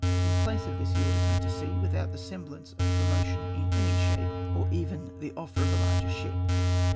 In place of tliis he ordered nie to sea, without the semblance of promotion in any shape, or even the ofl'er of a larger ship.